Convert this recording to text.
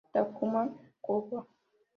Takuma Koga